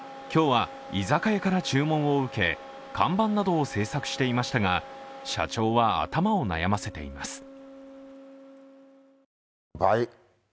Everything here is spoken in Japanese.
今日は居酒屋から注文を受け、看板などを製作していましたが社長は頭を悩ませています。